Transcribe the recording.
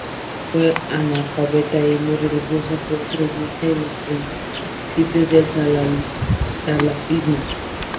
Fue analfabeto y muy religioso, fuerte creyente en los principios del salafismo.